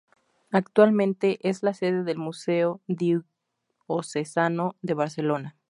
Actualmente es la sede del Museo Diocesano de Barcelona.